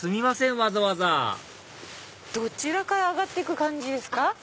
わざわざどちらから上がって行く感じですか？